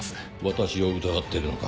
私を疑ってるのか？